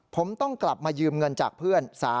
ผมต้องกลับมายืมเงินจากเพื่อน